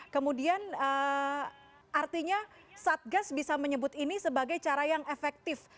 kemudian artinya satgas bisa menyebut ini sebagai cara yang efektif